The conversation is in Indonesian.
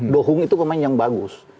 do hung itu pemain yang bagus